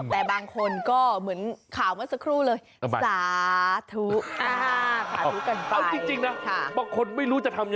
แต่บางคนก็เหมือนข่าวเมื่อสักครู่เลย